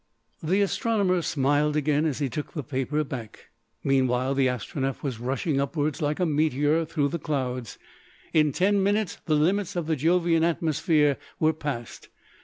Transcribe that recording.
The astronomer smiled again as he took the paper back. Meanwhile the Astronef was rushing upward like a meteor through the clouds. In ten minutes the limits of the Jovian atmosphere were passed.